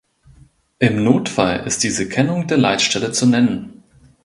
Im Notfall ist diese Kennung der Leitstelle zu nennen.